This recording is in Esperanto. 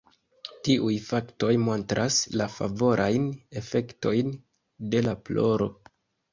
Tiuj faktoj montras la favorajn efektojn de la ploro.